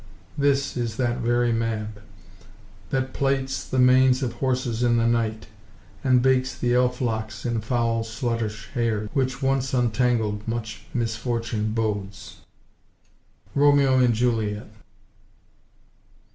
... This is that very Mab, That plats the manes of horses in the night; And bakes the elf–locks in foul sluttish hairs, Which, once untangled, much misfortune bodes." (_Romeo and Juliet.